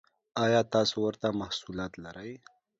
ایا تاسو ورته محصولات لرئ؟